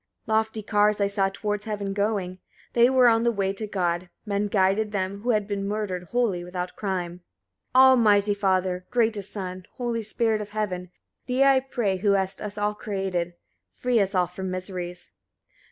74. Lofty cars I saw towards heaven going; they were on the way to God: men guided them who had been murdered wholly without crime. 75. Almighty Father! greatest Son! holy Spirit of heaven! Thee I pray, who hast us all created; free us all from miseries.